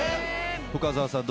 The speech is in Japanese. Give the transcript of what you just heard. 深澤さん